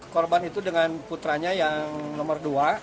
korban itu dengan putranya yang nomor dua